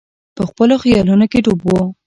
په خپلو خیالونو کې ډوب وو.